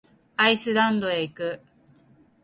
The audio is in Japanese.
アイスランドへ行く。